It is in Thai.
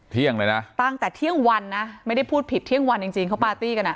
เที่ยงเลยนะตั้งแต่เที่ยงวันนะไม่ได้พูดผิดเที่ยงวันจริงจริงเขาปาร์ตี้กันอ่ะ